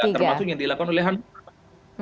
termasuk yang dilakukan oleh hanum